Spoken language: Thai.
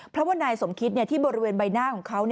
เพราะว่านายสมคิตที่บริเวณใบหน้าของเขา